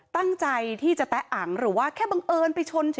ตั้งใจที่จะแตะอังหรือว่าแค่บังเอิญไปชนเฉย